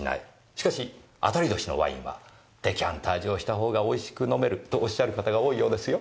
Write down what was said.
しかし当たり年のワインはデカンタージュをしたほうが美味しく飲めるとおっしゃる方が多いようですよ。